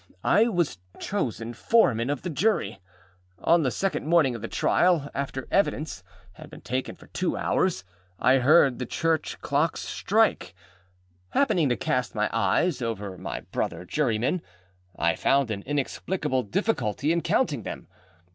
I was chosen Foreman of the Jury. On the second morning of the trial, after evidence had been taken for two hours (I heard the church clocks strike), happening to cast my eyes over my brother jurymen, I found an inexplicable difficulty in counting them.